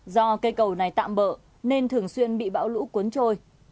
do cây cầu này tạm bỡ nên thường xuyên bị bão lũ cuốn trôi